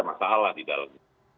masalah di dalamnya